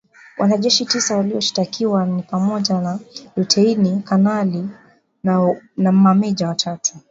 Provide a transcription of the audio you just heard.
Wanajeshi tisa walioshtakiwa ni pamoja na luteini kanali na mameja watatu